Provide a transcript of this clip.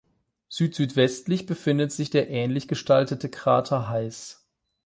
Süd-südwestlich befindet sich der ähnlich gestaltete Krater Heis.